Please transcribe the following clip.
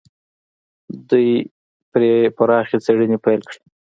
دوی پرې پراخې څېړنې پيل کړې.